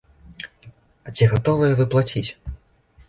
А ці гатовыя вы плаціць?